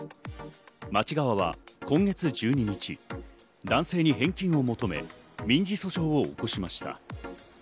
町側は今月１２日に男性に返金を求め民事訴訟を起こしました。